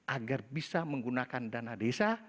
agar bisa menggunakan dana desa